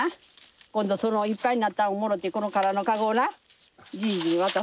今度そのいっぱいになったんをもろてこの空の籠をなじいじに渡す。